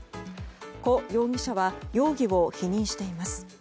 コ容疑者は容疑を否認しています。